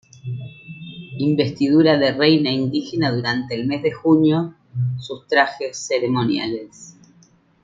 Investidura de reyna indigena durante el mes de junio, sus trajes ceremoniales.